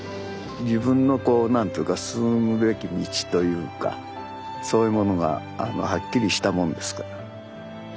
自分のこう何ていうか進むべき道というかそういうものがはっきりしたもんですから。